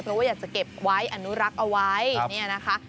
เพราะว่าอยากจะเก็บไว้อนุรักษ์เอาไว้เนี่ยนะคะ